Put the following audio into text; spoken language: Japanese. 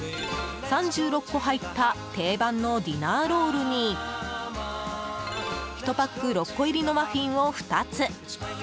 ３６個入った定番のディナーロールに１パック６個入りのマフィンを２つ。